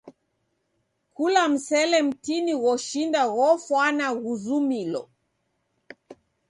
Kula msele mtini ghoshinda ghofwana ghuzumilo.